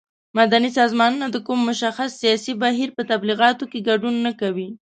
مدني سازمانونه د کوم مشخص سیاسي بهیر په تبلیغاتو کې ګډون نه کوي.